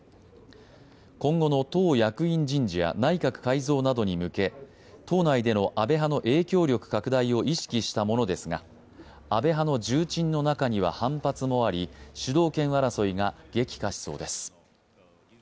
今後の党役員人事や内閣改造などに向け、党内での安倍派の影響力拡大を意識したものですが安倍派の重鎮の中には反発もあり主導権争いが激化しそうです。